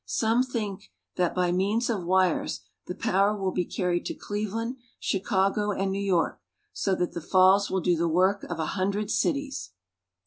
Some think that, by means of wires, the power will be carried to Cleveland, Chicago, and New York, so that the falls will do the work of a hundred cities.